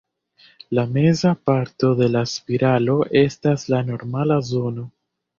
La meza parto de la spiralo estas la normala zono.